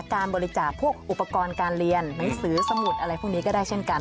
การบริจาคพวกอุปกรณ์การเรียนหนังสือสมุดอะไรพวกนี้ก็ได้เช่นกัน